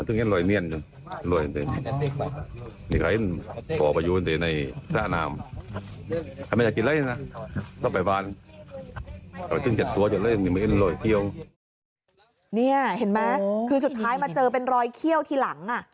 นี่เห็นไหมคือสุดท้ายมาเจอเป็นรอยเขี้ยวทีหลัง